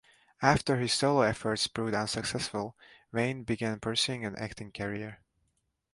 After his solo efforts proved unsuccessful, Wayne began pursuing an acting career.